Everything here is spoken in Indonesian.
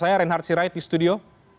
saya reinhard sirait di studio